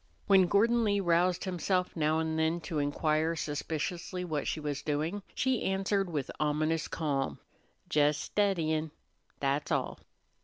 When Gordon Lee roused himself now and then to inquire suspiciously what she was doing, she answered with ominous calm. "Jes steddyin', that's all."